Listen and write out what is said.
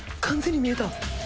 完全に見えた。